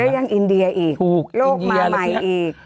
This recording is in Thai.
ยังอินเดียอีกโลกมาใหม่อีก